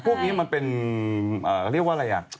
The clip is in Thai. พวกนี้มันเป็นเรียกว่าอะไรอ่ะ